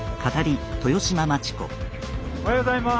おはようございます。